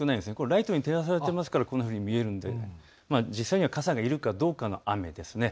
ライトに照らされていますからこのように見えるんですが実際は傘がいるかどうかの雨ですね。